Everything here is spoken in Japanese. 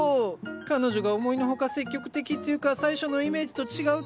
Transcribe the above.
彼女が思いのほか積極的っていうか最初のイメージと違うっていうか。